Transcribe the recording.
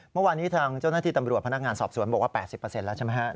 เมื่อวานนี้ทางเจ้าหน้าที่ตำรวจพนักงานสอบสวนบอกว่า๘๐แล้วใช่ไหมครับ